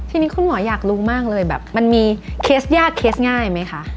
ทีนี้คุณหมออยากรู้มากเลยแบบมันมีเคสยากเคสง่ายไหมคะ